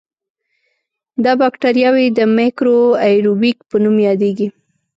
دا بکټریاوې د میکرو آئیروبیک په نوم یادیږي.